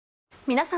皆様。